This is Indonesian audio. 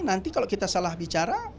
nanti kalau kita salah bicara